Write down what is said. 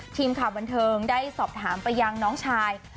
ทีมข่าวบันเทิงได้สอบถามไปยังน้องชาย